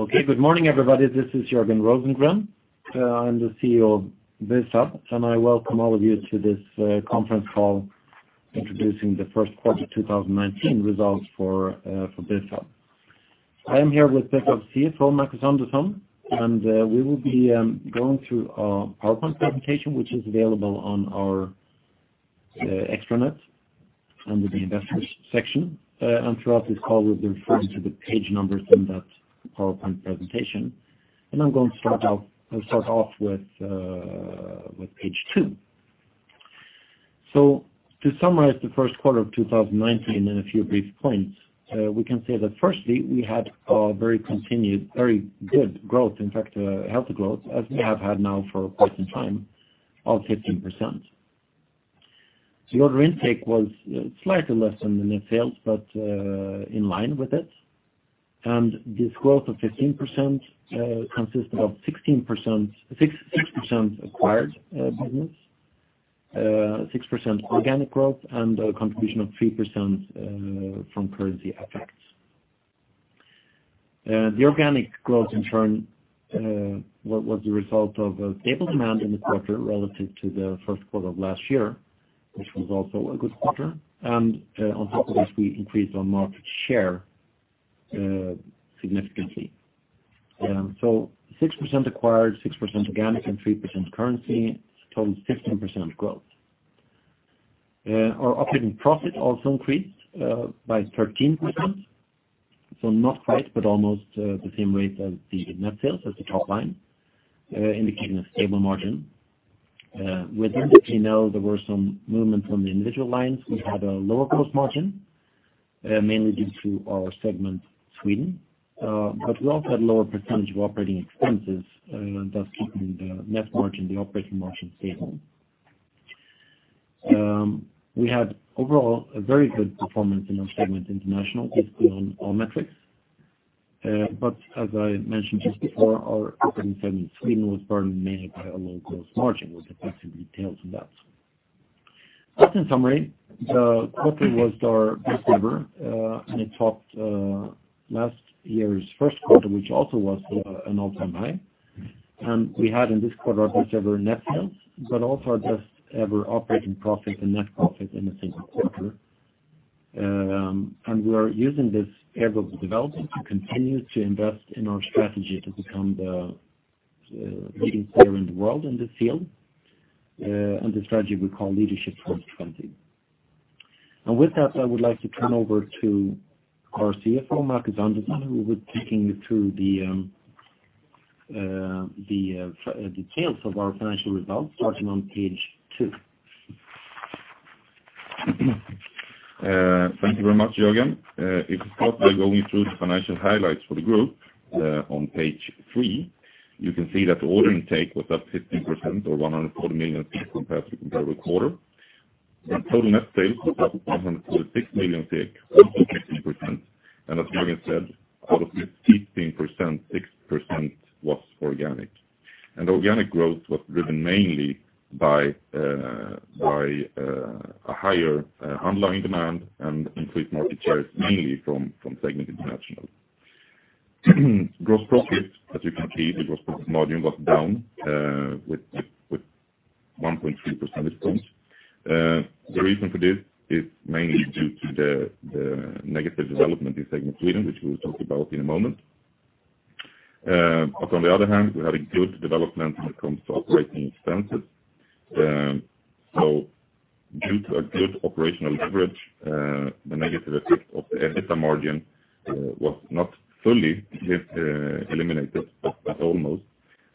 Okay. Good morning, everybody. This is Jörgen Rosengren. I'm the CEO of Bufab, and I welcome all of you to this conference call introducing the first quarter 2019 results for Bufab. I am here with Bufab's CFO, Marcus Andersson, and we will be going through our PowerPoint presentation, which is available on our Extranet under the Investors section. Throughout this call, we'll be referring to the page numbers in that PowerPoint presentation. I'm going to start off with page two. To summarize the first quarter of 2019 in a few brief points, we can say that, firstly, we had a very continued very good growth, in fact, healthy growth, as we have had now for quite some time of 15%. The order intake was slightly less than the net sales, but in line with it. This growth of 15% consisted of 6% acquired business, 6% organic growth, and a contribution of 3% from currency effects. The organic growth, in turn, was the result of stable demand in the quarter relative to the first quarter of last year, which was also a good quarter. On top of this, we increased our market share significantly. So 6% acquired, 6% organic, and 3% currency, totaling 15% growth. Our operating profit also increased by 13%, so not quite, but almost the same rate as the net sales, as the top line, indicating a stable margin. Within the P&L, there were some movements on the individual lines. We had a lower gross margin, mainly due to our segment, Sweden. We also had a lower percentage of operating expenses, thus keeping the net margin, the operating margin, stable. We had, overall, a very good performance in our segment International, basically on all metrics. But as I mentioned just before, our operating segment, Sweden, was burdened mainly by a low gross margin. We'll get back to the details on that. Just in summary, the quarter was our best ever, and it topped last year's first quarter, which also was an all-time high. And we had, in this quarter, our best ever net sales, but also our best ever operating profit and net profit in the same quarter. And we are using this area of development to continue to invest in our strategy to become the leading player in the world in this field, and the strategy we call Leadership 2020. With that, I would like to turn over to our CFO, Marcus Andersson, who will be taking you through the details of our financial results, starting on page two. Thank you very much, Jörgen. If we start by going through the financial highlights for the group on page three, you can see that the order intake was up 15%, or 140 million, compared to the comparable quarter. The total net sales was up 146 million, also 15%. And as Jörgen said, out of this 15%, 6% was organic. And organic growth was driven mainly by a higher underlying demand and increased market shares, mainly from segment International. Gross profit, as you can see, the gross profit margin was down with 1.3% at this point. The reason for this is mainly due to the negative development in segment Sweden, which we will talk about in a moment. But on the other hand, we had a good development when it comes to operating expenses. So due to a good operational leverage, the negative effect of the EBITDA margin was not fully eliminated, but almost.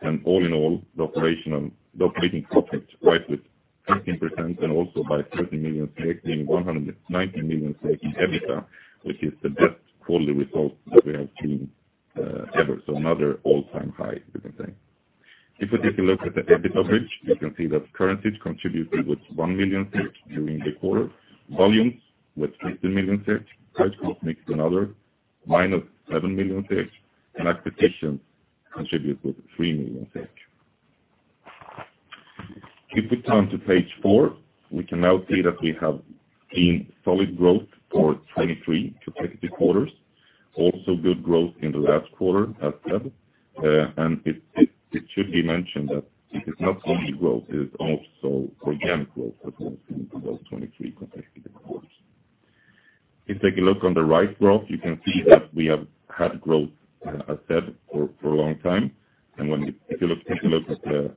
And all in all, the operating profit rise with 15% and also by 30 million, meaning 190 million in EBITDA, which is the best quarterly result that we have seen ever, so another all-time high, we can say. If we take a look at the EBITDA bridge, you can see that currencies contributed with 1 million during the quarter, volumes with 15 million, price/mix minus 7 million, and acquisitions contributed with 3 million. If we turn to page four, we can now see that we have seen solid growth for 23 consecutive quarters, also good growth in the last quarter, as said. And it should be mentioned that it is not only growth. It is also organic growth that we have seen for those 23 consecutive quarters. If you take a look on the right graph, you can see that we have had growth, as said, for a long time. If you take a look at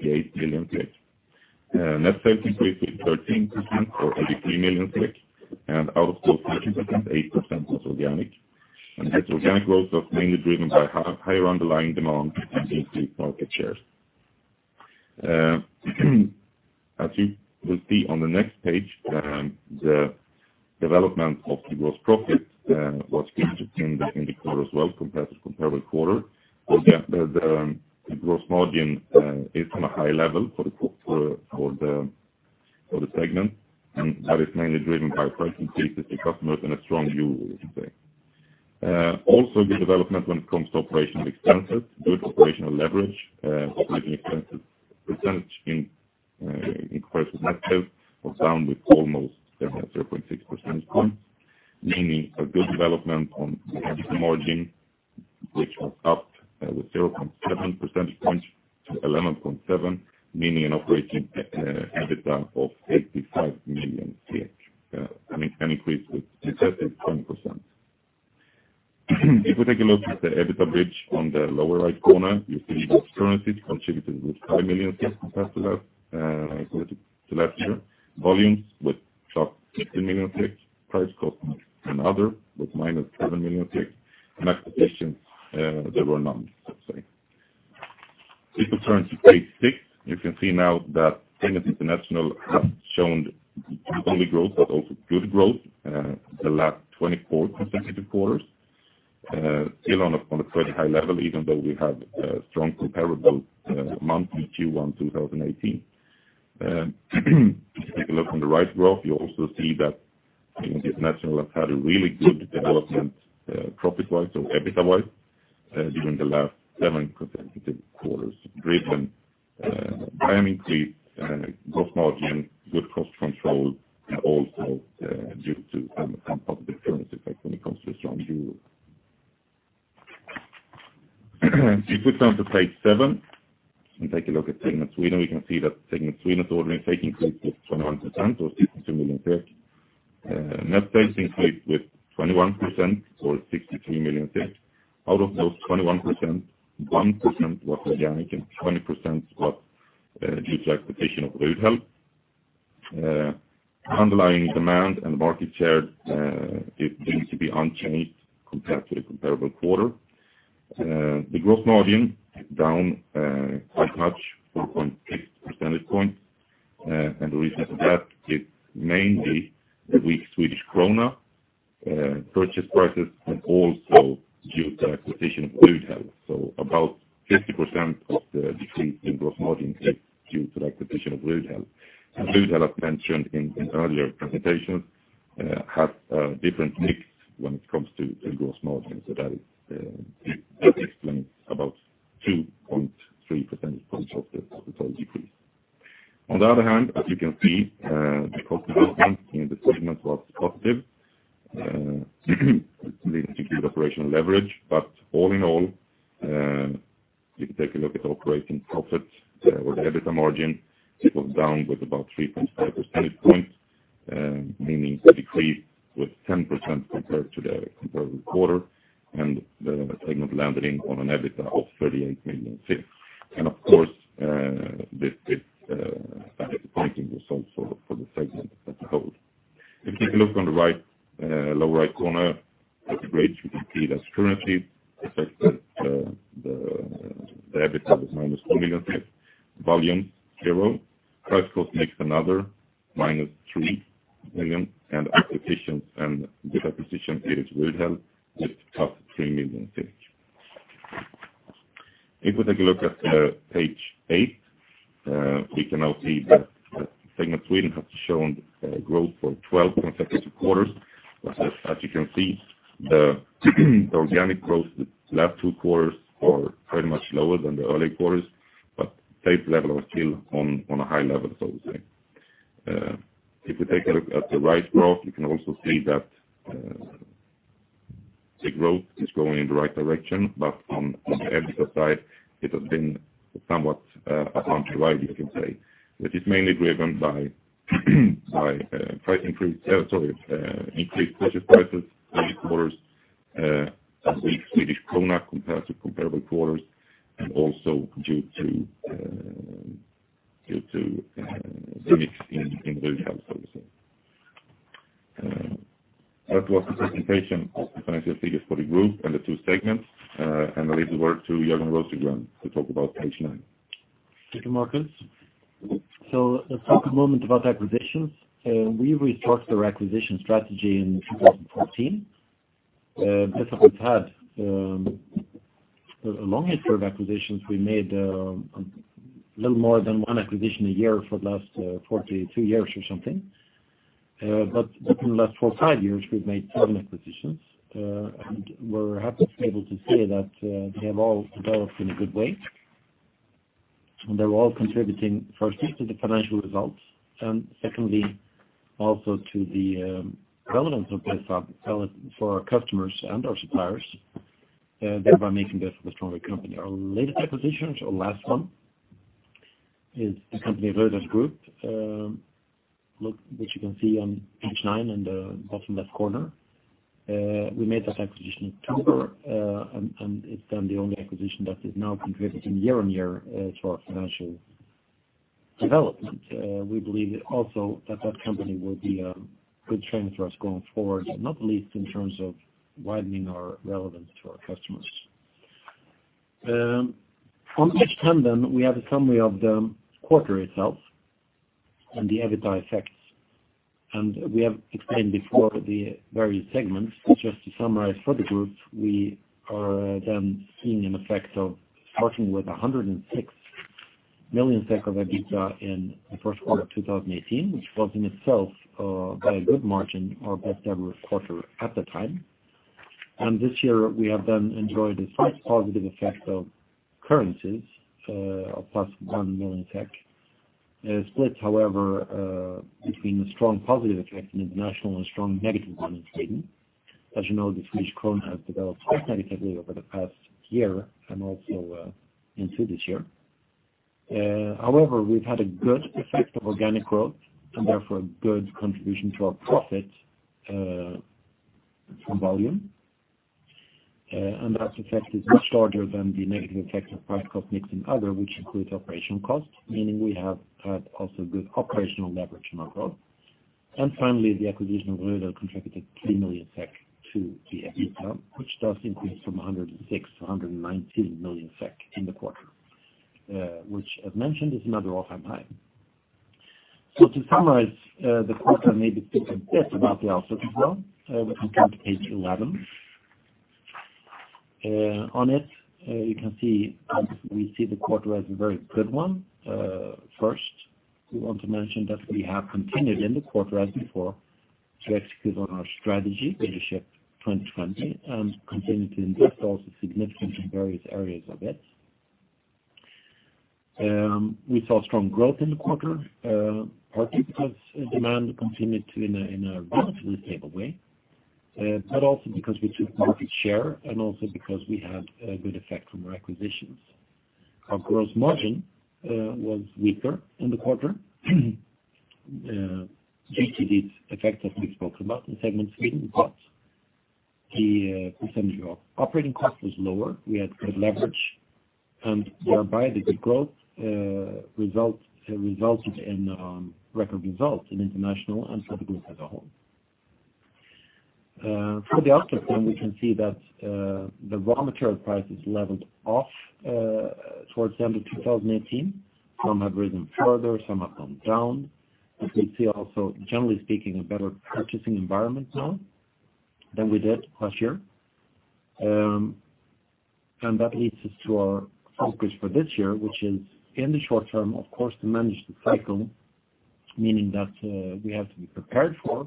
the rolling 12-month EBITDA graph, you can see that we have had a good development now for 15 consecutive quarters, despite a slight dip in Q2 and Q3 2017, thus due to increased raw material prices, which has been a good development for the group as a whole. If we turn to page five and take a look at Segment International, you can see that Segment International's order intake increased with 12%, or SEK 78 million. Net sales increased with 13%, or SEK 83 million. Out of those 13%, 8% was organic. This organic growth was mainly driven by higher underlying demand and increased market shares. As you will see on the next page, the development of the gross profit was good in the quarter as well, compared to the comparable quarter. The gross margin is on a high level for the segment, and that is mainly driven by price increases, the customers, and a strong euro, we can say. Also, good development when it comes to operational expenses, good operational leverage. Operating expenses percentage in comparison with net sales was down with almost 0.6 percentage points, meaning a good development on the margin, which was up with 0.7 percentage points to 11.7, meaning an operating EBITDA of 85 million, an increase with 20%. If we take a look at the EBITDA bridge on the lower right corner, you'll see that currencies contributed with 5 million compared to last year, volumes with top 15 million, price costing another, with minus 7 million, and acquisitions that were none, so to say. If we turn to page six, you can see now that Segment International has shown not only growth but also good growth the last 24 consecutive quarters, still on a fairly high level, even though we have strong comparable month in Q1 2018. If you take a look on the right graph, you also see that Segment International has had a really good development profit-wise or EBITDA-wise during the last seven consecutive quarters, driven by an increased gross margin, good cost control, and also due to some positive currency effects when it comes to a strong euro. If we turn to page seven and take a look at segment Sweden, we can see that segment Sweden's order intake increased with 21%, or 62 million. Net sales increased with 21%, or 63 million. Out of those 21%, 1% was organic, and 20% was due to acquisition of Rudhäll. Underlying demand and market share is deemed to be unchanged compared to the comparable quarter. The gross margin is down a touch, 4.6 percentage points. The reason for that is mainly the weak Swedish krona, purchase prices, and also due to acquisition of Rudhäll. About 50% of the decrease in gross margin is due to the acquisition of Rudhäll. Rudhäll, as mentioned in earlier presentations, has a different mix when it comes to gross margin, so that explains about 2.3 percentage points of the total decrease. On the other hand, as you can see, the cost development in the segment was positive, leading to good operational leverage. But all in all, if you take a look at operating profit or the EBITDA margin, it was down with about 3.5 percentage points, meaning a decrease with 10% compared to the comparable quarter. And the segment landed in on an EBITDA of SEK 38 million. And of course, this is a disappointing result for the segment as a whole. If you take a look on the lower right corner at the bridge, you can see that currencies affected the EBITDA with minus 2 million, volumes zero, price costing another, minus 3 million, and acquisitions. And this acquisition, it is Rudhäll, with +3 million. If we take a look at page 8, we can now see that segment Sweden has shown growth for 12 consecutive quarters. But as you can see, the organic growth the last two quarters are very much lower than the early quarters, but sales level are still on a high level, so to say. If we take a look at the right graph, you can also see that the growth is going in the right direction, but on the EBITDA side, it has been somewhat up on the right, you can say, which is mainly driven by price increase sorry, increased purchase prices in the quarters of the weak Swedish krona compared to comparable quarters, and also due to the mix in Rudhäll, so to say. That was the presentation of the financial figures for the group and the two segments. I'll leave the word to Jörgen Rosengren to talk about page nine. Thank you, Marcus. So let's talk a moment about acquisitions. We restructured our acquisition strategy in 2014. Because we've had a long history of acquisitions, we made a little more than 1 acquisition a year for the last 42 years or something. But within the last four or five years, we've made seven acquisitions. And we're happy to be able to say that they have all developed in a good way. And they're all contributing, firstly, to the financial results and, secondly, also to the relevance of Bufab for our customers and our suppliers, thereby making Bufab a stronger company. Our latest acquisitions, our last one, is the company Rudhäll Group, which you can see on page 9 in the bottom left corner. We made that acquisition in October, and it's then the only acquisition that is now contributing year on year to our financial development. We believe also that that company will be a good strength for us going forward, not least in terms of widening our relevance to our customers. On page 10, then, we have a summary of the quarter itself and the EBITDA effects. We have explained before the various segments. Just to summarize for the group, we are then seeing an effect of starting with 106 million of EBITDA in the first quarter of 2018, which was in itself a very good margin, our best ever quarter at the time. This year, we have then enjoyed a slight positive effect of currencies of +1 million, split, however, between a strong positive effect in International and a strong negative one in Sweden. As you know, the Swedish krona has developed quite negatively over the past year and also into this year. However, we've had a good effect of organic growth and, therefore, a good contribution to our profit from volume. That effect is much larger than the negative effect of price cost mix in other, which includes operational cost, meaning we have had also good operational leverage in our growth. Finally, the acquisition of Rudhäll contributed 3 million SEK to the EBITDA, which does increase from 106 million-119 million SEK in the quarter, which, as mentioned, is another all-time high. To summarize the quarter and maybe speak a bit about the output as well, we can turn to page 11. On it, you can see we see the quarter as a very good one. First, we want to mention that we have continued in the quarter as before to execute on our strategy, Leadership 2020, and continued to invest also significantly in various areas of it. We saw strong growth in the quarter, partly because demand continued in a relatively stable way, but also because we took market share and also because we had a good effect from our acquisitions. Our gross margin was weaker in the quarter due to these effects that we've spoken about in segment Sweden, but the percentage of operating cost was lower. We had good leverage, and thereby, the good growth resulted in a record result in international and for the group as a whole. For the output, then, we can see that the raw material price is leveled off towards the end of 2018. Some have risen further. Some have gone down. But we see also, generally speaking, a better purchasing environment now than we did last year. And that leads us to our focus for this year, which is, in the short term, of course, to manage the cycle, meaning that we have to be prepared for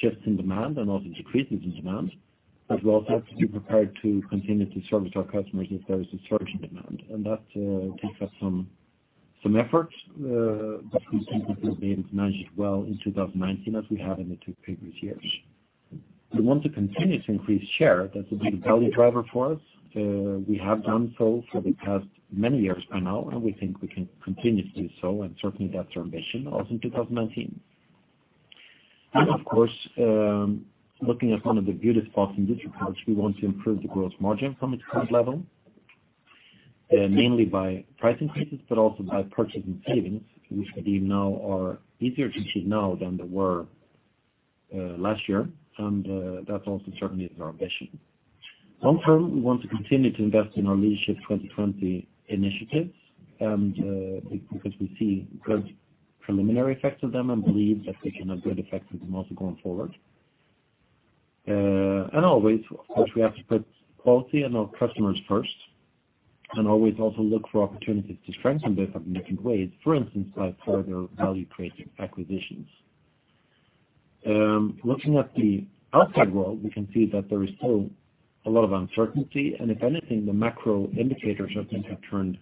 shifts in demand and also decreases in demand. But we also have to be prepared to continue to service our customers if there is a surge in demand. And that takes up some effort, but we think we've been able to manage it well in 2019 as we have in the two previous years. We want to continue to increase share. That's a big value driver for us. We have done so for the past many years by now, and we think we can continue to do so. And certainly, that's our ambition also in 2019. And of course, looking at one of the beauty spots in this report, we want to improve the gross margin from its current level, mainly by price increases but also by purchase and savings, which we deem now are easier to achieve now than they were last year. And that also certainly is our ambition. Long term, we want to continue to invest in our Leadership 2020 initiatives because we see good preliminary effects of them and believe that we can have good effects of them also going forward. And always, of course, we have to put quality and our customers first and always also look for opportunities to strengthen Bufab in different ways, for instance, by further value-creating acquisitions. Looking at the outside world, we can see that there is still a lot of uncertainty. If anything, the macro indicators have been turned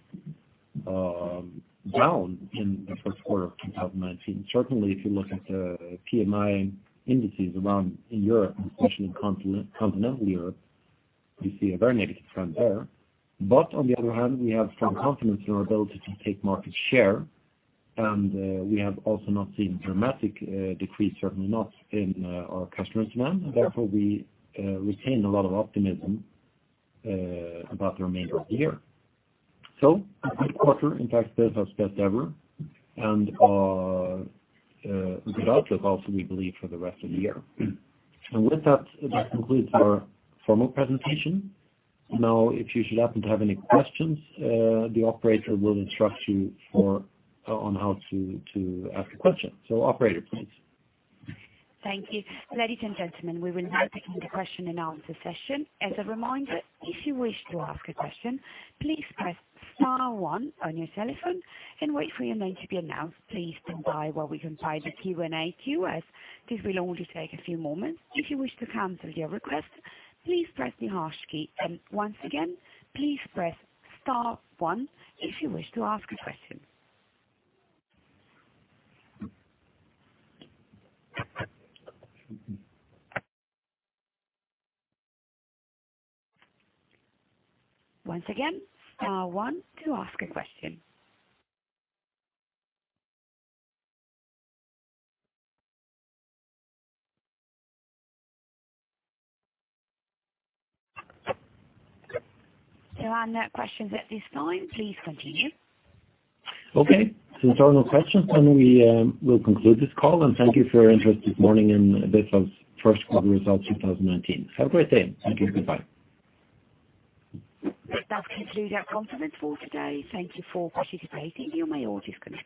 down in the first quarter of 2019. Certainly, if you look at the PMI indices around in Europe, especially continental Europe, you see a very negative trend there. But on the other hand, we have strong confidence in our ability to take market share. We have also not seen a dramatic decrease, certainly not in our customers' demand. Therefore, we retain a lot of optimism about the remainder of the year. So a good quarter, in fact, Bufab's best ever, and a good outlook also, we believe, for the rest of the year. With that, that concludes our formal presentation. Now, if you should happen to have any questions, the operator will instruct you on how to ask a question. So, operator, please. Thank you. Ladies and gentlemen, we will now begin the question-and-answer session. As a reminder, if you wish to ask a question, please press star one on your cell phone and wait for your name to be announced. Please stand by while we compile the Q&A Q&As. This will only take a few moments. If you wish to cancel your request, please press the hash key. And once again, please press star one if you wish to ask a question. Once again, star one to ask a question. There are no questions at this time. Please continue. Okay. There are no questions, and we will conclude this call. Thank you for your interest this morning in Bufab's first quarter results 2019. Have a great day. Thank you. Goodbye. That concludes our conference for today. Thank you for participating. You may always just connect.